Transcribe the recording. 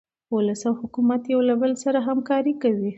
ولس او حکومت یو له بل سره همکاري کوي.